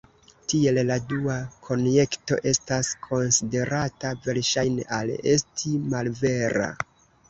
Tiel la dua konjekto estas konsiderata verŝajne al esti malvera.